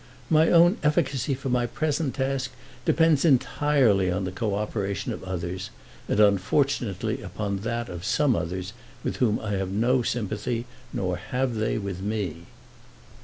My own efficacy for my present task depends entirely on the co operation of others, and unfortunately upon that of some others with whom I have no sympathy, nor have they with me."